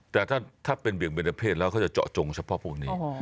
เพราะถ้าเป็นเบียงเบียนเผ็ดแล้วก็จะเจาะจงเฉพาะพวกนี้